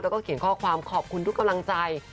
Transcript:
แล้วก็เขียนข้อความขอบคุณทุกกำลังใจ